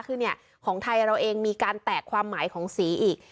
คือของไทยเราเองมีการแตกความหมายของสีอีก